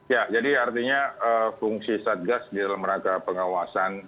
ya jadi artinya fungsi satgas di dalam rangka pengawasan